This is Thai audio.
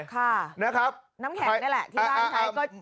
น้ำแข็งนี่แหละที่บ้านใช้มันจะเป็นลักษณะแบบนี้